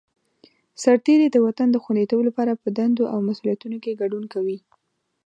سرتېری د وطن د خوندیتوب لپاره په دندو او مسوولیتونو کې ګډون کوي.